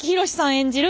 演じる